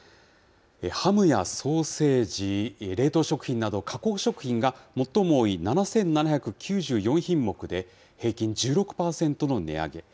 ハムやソーセージ、冷凍食品など、加工食品が、最も多い７７９４品目で、平均１６％の値上げ。